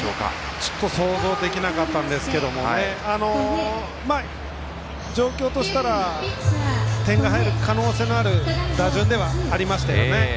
ちょっと想像できなかったんですけれどもね状況としたら点が入る可能性のある打順ではありましたよね。